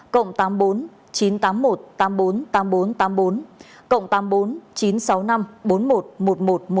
cộng tám mươi bốn chín trăm tám mươi một tám nghìn bốn trăm tám mươi bốn cộng tám mươi bốn chín trăm sáu mươi năm bốn trăm một mươi một nghìn một trăm một mươi tám email bảo hộ công dân a gmail com